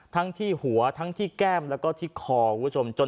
ทั้งที่หัวทั้งที่แก้มแล้วก็ที่คอคุณผู้ชม